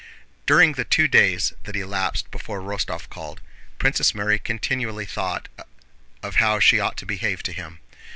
During the two days that elapsed before Rostóv called, Princess Mary continually thought of how she ought to behave to him.